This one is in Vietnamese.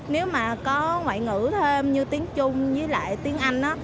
nếu mà có ngoại ngữ thêm như tiếng trung với lại tiếng anh